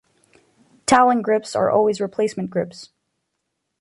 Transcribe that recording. Towelling grips are always replacement grips.